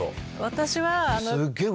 私は。